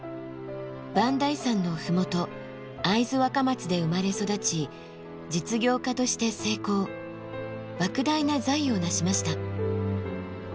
磐梯山の麓会津若松で生まれ育ち実業家として成功ばく大な財を成しました。